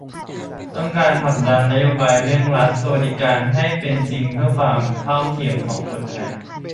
ต้องการผลักดันนโยบายเรื่องรัฐสวัสดิการ ให้เป็นจริงเพื่อความเท่าเทียมของคนไทย